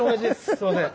すいません。